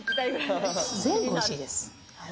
全部おいしいです。